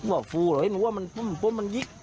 หัวฟูเหรอเห็นหัวมันปุ้มปุ้มมันยิก